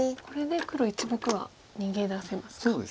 これで黒１目は逃げ出せますか。